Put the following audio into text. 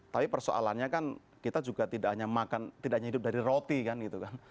tapi persoalannya kan kita juga tidak hanya makan tidak hanya hidup dari roti kan gitu kan